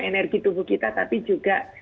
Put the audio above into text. energi tubuh kita tapi juga